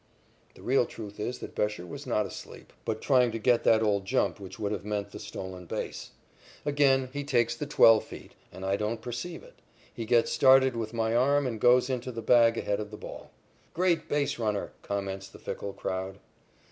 The real truth is that Bescher was not asleep, but trying to get that old jump which would have meant the stolen base. Again, he takes the twelve feet, and I don't perceive it. He gets started with my arm and goes into the bag ahead of the ball. "Great base runner," comments the fickle crowd.